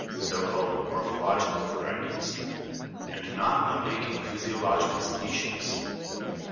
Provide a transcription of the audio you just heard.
so called morphological varieties — and not on making physiological species.